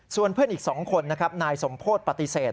ส่วนเพื่อนอีกสองคนนายสมโพธปฏิเสธ